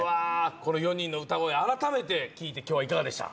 この４人の歌声あらためて聴いて今日はいかがでした？